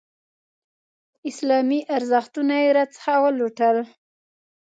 اسلامي ارزښتونه یې راڅخه ولوټل.